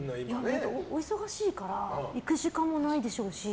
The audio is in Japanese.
だって、お忙しいから行く時間もないでしょうし。